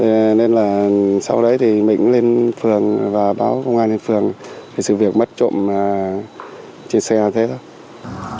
nên là sau đấy thì mình lên phường và báo công an lên phường thì sự việc mất trộm trên xe là thế thôi